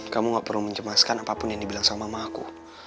kamu gak perlu mencemaskan apapun yang dibilang sama sama aku